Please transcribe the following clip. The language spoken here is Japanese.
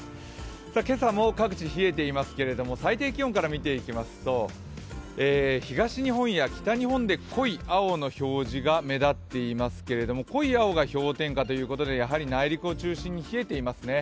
今朝も各地冷えていますけれども、最低気温から見ていきますと、東日本や北日本で、濃い青の表示が目立っていますけど濃い青が氷点下ということで内陸を中心に冷えていますね。